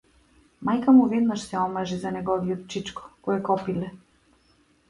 Мајка му веднаш се омажи за неговиот чичко, кој е копиле.